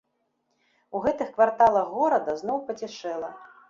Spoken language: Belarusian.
У гэтых кварталах горада зноў пацішэла.